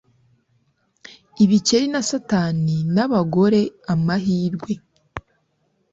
ibikeri na satani nabagore-amahirwe